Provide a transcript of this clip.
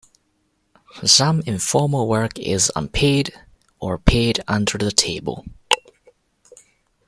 Some informal work is unpaid, or paid under the table.